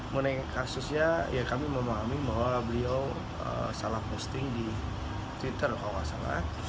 mengenai kasusnya ya kami memahami bahwa beliau salah posting di twitter kalau nggak salah